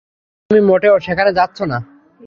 এবং তুমি মোটেও সেখানে যাচ্ছোনা।